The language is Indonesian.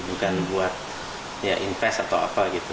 bukan buat ya invest atau apa gitu